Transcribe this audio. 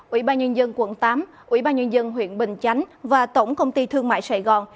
ủy ban nhân dân quận tám ủy ban nhân dân huyện bình chánh và tổng công ty thương mại sài gòn